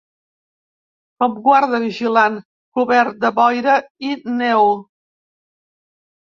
Com guarda vigilant cobert de boira i neu